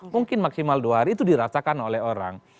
mungkin maksimal dua hari itu dirasakan oleh orang